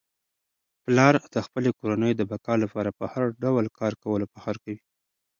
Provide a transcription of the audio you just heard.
پلار د خپلې کورنی د بقا لپاره په هر ډول کار کولو فخر کوي.